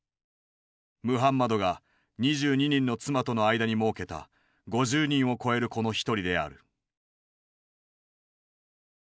ムハンマドが２２人の妻との間にもうけた５０人を超える子の一人である。